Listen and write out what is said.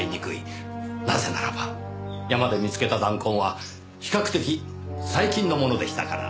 なぜならば山で見つけた弾痕は比較的最近のものでしたから。